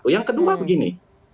yang kedua begini